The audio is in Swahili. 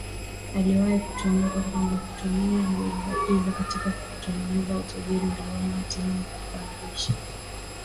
aliwahi kutuhumiwa kwamba hutumia nguvu za giza katika kutengeneza utajiri aliona hatimaye kupandisha umaarufu